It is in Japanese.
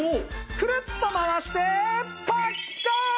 くるっと回してパッカーン！